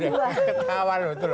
ketawa lo terus